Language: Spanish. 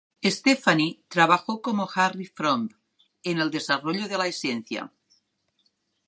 Stefani trabajó con Harry Fremont, para el desarrollo de la esencia.